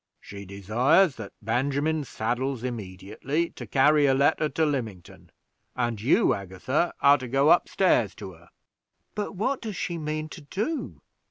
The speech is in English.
"She desires that Benjamin saddles immediately, to carry a letter to Lymington; and you, Agatha, are to go up stairs to her." "But what does she mean to do?